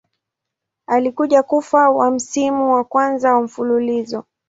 Alikuja kufa wa msimu wa kwanza wa mfululizo.